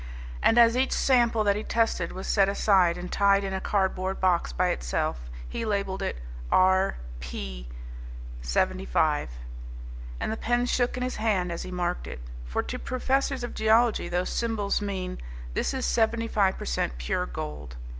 And as each sample that he tested was set aside and tied in a cardboard box by itself, he labelled it "aur. p. 75," and the pen shook in his hand as he marked it. For to professors of geology those symbols mean "this is seventy five per cent pure gold."